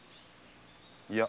いや。